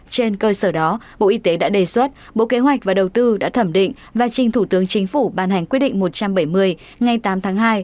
trên cơ sở đó bộ y tế đã đề xuất bộ kế hoạch và đầu tư đã thẩm định và trình thủ tướng chính phủ ban hành quyết định một trăm bảy mươi ngày tám tháng hai